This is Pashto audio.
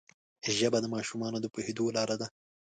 ژبه د ماشومانو د پوهېدو لاره ده